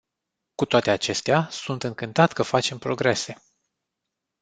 Cu toate acestea, sunt încântat că facem progrese.